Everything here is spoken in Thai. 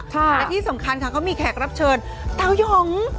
และที่สำคัญค่ะเขามีแขกรับเชิญเต้ายอง